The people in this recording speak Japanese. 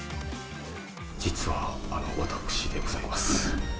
実は、私でございます。